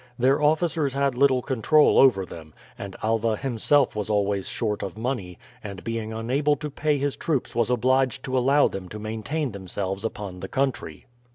Their officers had little control over them; and Alva himself was always short of money, and being unable to pay his troops was obliged to allow them to maintain themselves upon the country.